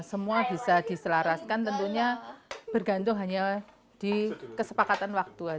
semua bisa diselaraskan tentunya bergantung hanya di kesepakatan